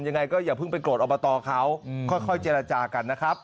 ยังไงก็อย่าเพิ่งไปโกรธอบตเขาค่อยเจรจากันนะครับ